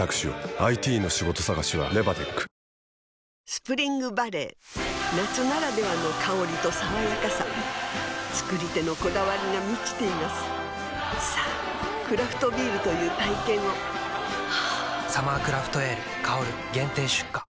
スプリングバレー夏ならではの香りと爽やかさ造り手のこだわりが満ちていますさぁクラフトビールという体験を「サマークラフトエール香」限定出荷